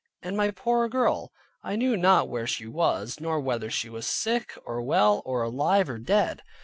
And my poor girl, I knew not where she was, nor whether she was sick, or well, or alive, or dead.